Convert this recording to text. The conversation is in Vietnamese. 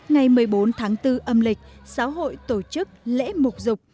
ngày một mươi bốn tháng bốn âm lịch xã hội tổ chức lễ mục dục